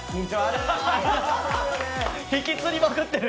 ひきつりまくってる！